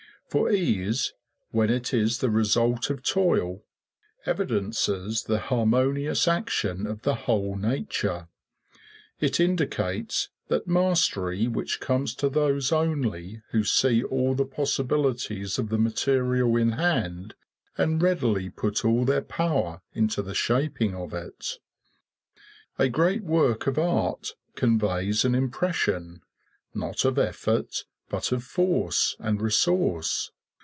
For ease, when it is the result of toil, evidences the harmonious action of the whole nature; it indicates that mastery which comes to those only who see all the possibilities of the material in hand and readily put all their power into the shaping of it. A great work of art conveys an impression, not of effort, but of force and resource.